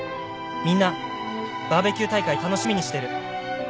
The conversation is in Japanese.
みんなバーベキュー大会楽しみにしてる」